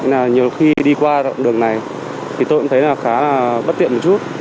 nhiều khi đi qua đoạn đường này thì tôi cũng thấy khá bất tiện một chút